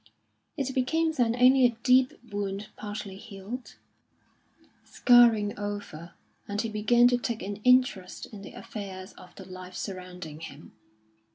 It became then only a deep wound partly healed, scarring over; and he began to take an interest in the affairs of the life surrounding him.